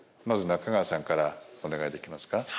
まず中川さんからお願いできますか？